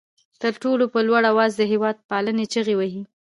تر ټولو په لوړ آواز د هېواد پالنې چغې وهي.